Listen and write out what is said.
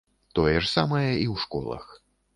Тое ж самае і ў школах.